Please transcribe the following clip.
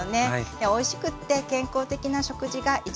おいしくって健康的な食事が一番だと思います。